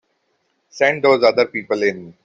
Send those other people in.